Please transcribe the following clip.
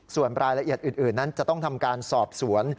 ส่วนรายละเอียดอื่นนั้นจะต้องทำการสอบสวน